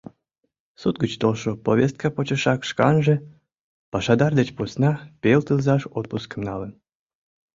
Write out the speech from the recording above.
Суд гыч толшо повестка почешак шканже, пашадар деч посна, пел тылзаш отпускым налын.